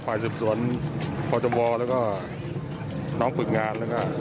ฝ่ายสืบสวนพจมแล้วก็น้องฝึกงานแล้วก็